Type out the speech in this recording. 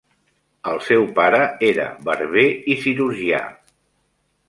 El seu pare era barber i cirurgià.